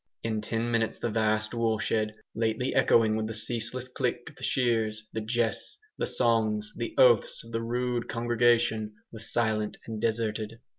In ten minutes the vast woolshed, lately echoing with the ceaseless click of the shears, the jests, the songs, the oaths of the rude congregation, was silent and deserted.